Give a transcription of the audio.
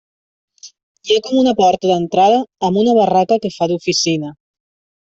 Hi ha com una porta d'entrada amb una barraca que fa d'oficina.